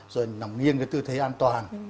rồi nằm nghiêng cái tư thế an toàn